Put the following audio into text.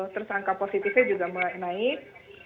terus angka positifnya juga mulai naik